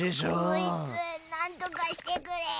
こいつなんとかしてくれぇ。